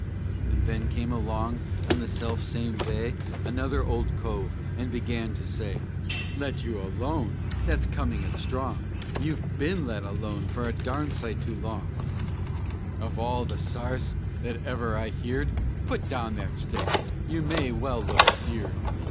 Just then came along on the self same vay, Another Old Cove, and began for to say "Let you alone! That's comin' it strong! You've ben let alone a darned sight too long; Of all the sarce that ever I heerd! Put down that stick! (You may well look skeered.)